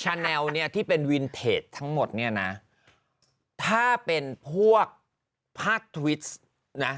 ชาแนลที่เป็นวินเทจทั้งหมดถ้าเป็นพวกพลาดต์ทวิจก์